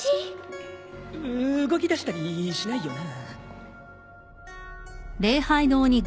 動きだしたりしないよな？